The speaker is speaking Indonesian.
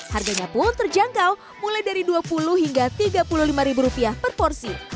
harganya pun terjangkau mulai dari dua puluh hingga tiga puluh lima ribu rupiah per porsi